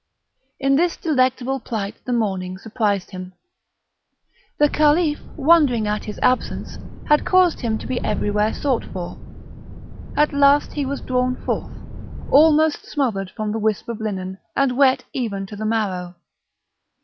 In this delectable plight the morning surprised him. The Caliph, wondering at his absence, had caused him to be everywhere sought for. At last he was drawn forth, almost smothered from the wisp of linen, and wet even to the marrow.